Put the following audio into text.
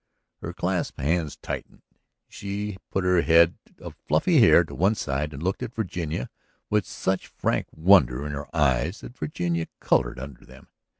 Her clasped hands tightened, she put her head of fluffy hair to one side and looked at Virginia with such frank wonder in her eyes that Virginia colored under them.